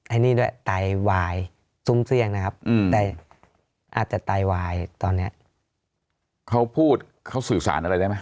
อันนี้ด้วยไตวายซุ่มเสี่ยงนะครับแต่อาจจะไตวายตอนนี้เขาพูดเขาสื่อสารอะไรได้ไหม